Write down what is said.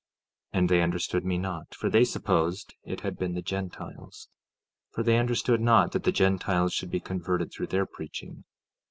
15:22 And they understood me not, for they supposed it had been the Gentiles; for they understood not that the Gentiles should be converted through their preaching.